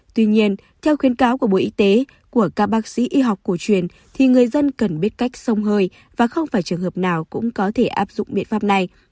tuy nhiên theo khuyến cáo của bộ y tế của các bác sĩ y học cổ truyền thì người dân cần biết cách sông hơi và không phải trường hợp nào cũng có thể áp dụng biện pháp này